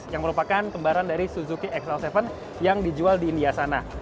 yang merupakan kembaran dari suzuki xl tujuh yang dijual di india sana